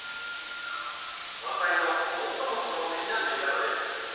和裁の最も基本的な縫い方です。